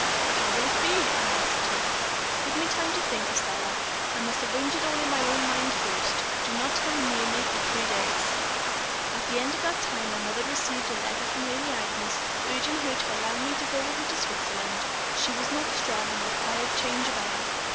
"'How will it be?' I asked her. "'Give me time to think, Estelle; I must arrange it all in my own mind first. Do not come near me for three days.' "At the end of that time my mother received a letter from Lady Agnes, urging her to allow me to go with her to Switzerland; she was not strong, and required change of air.